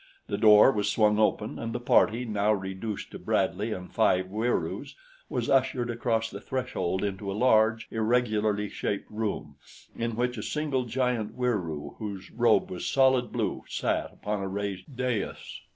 The door was swung open, and the party, now reduced to Bradley and five Wieroos, was ushered across the threshold into a large, irregularly shaped room in which a single, giant Wieroo whose robe was solid blue sat upon a raised dais.